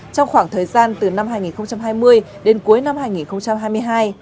trong khoảng thời gian từ năm hai nghìn hai mươi đến cuối năm hai nghìn hai mươi hai